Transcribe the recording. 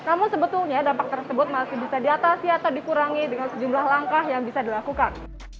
namun sebetulnya dampak tersebut masih bisa diatasi atau dikurangi dengan sejumlah langkah yang bisa dilakukan